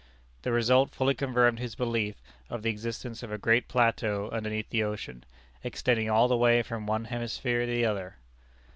The result fully confirmed his belief of the existence of a great plateau underneath the ocean, extending all the way from one hemisphere to the other.